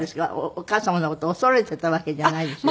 お母様の事恐れてたわけじゃないでしょ？